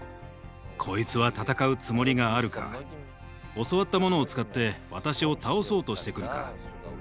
こいつは戦うつもりがあるか教わったものを使って私を倒そうとしてくるか。